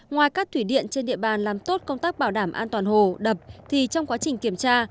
ngoài các thủy điện trên địa bàn làm tốt công tác bảo đảm an toàn hồ đập thì trong quá trình kiểm tra